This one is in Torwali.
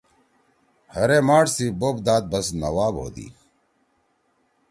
ہرے ماݜ سی بوپ داد بس نواب ہودی۔